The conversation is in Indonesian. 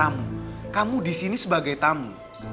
sama tamu kamu disini sebagai tamu